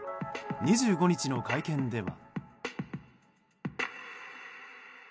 ２５日の会見では。